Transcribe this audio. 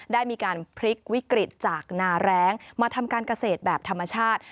ได้มีการพลิกวิกฤตจากนาแรงมาทำการเกษตรแบบธรรมชาติ